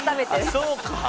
そうか。